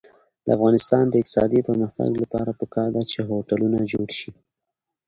د افغانستان د اقتصادي پرمختګ لپاره پکار ده چې هوټلونه جوړ شي.